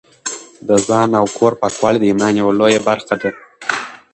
د ځان او کور پاکوالی د ایمان یوه لویه برخه ده.